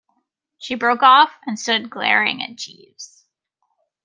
She broke off, and stood glaring at Jeeves.